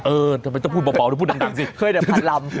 เออทำไมต้องพูดเบาหรือพูดดังสิเคยแต่พันลำ